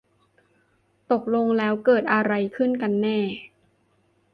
ตกลงแล้วเกิดอะไรขึ้นกันแน่